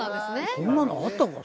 そんなのあったか？